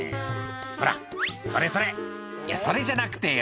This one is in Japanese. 「ほらそれそれいやそれじゃなくてよ」